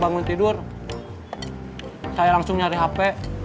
bangun tidur saya langsung nyari hp